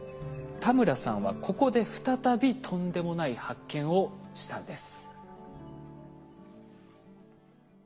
田村さんはここで再びとんでもない発見をしたんです。